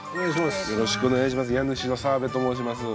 よろしくお願いします